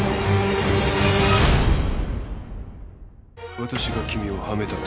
私が君をはめたと？